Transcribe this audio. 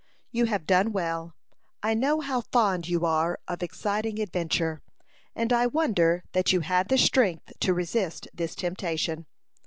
"You have done well. I know how fond you are of exciting adventure, and I wonder that you had the strength to resist this temptation."